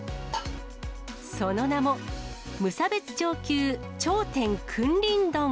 その名も、無差別超級頂点君臨丼。